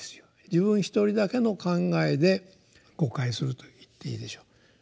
自分一人だけの考えで誤解すると言っていいでしょう。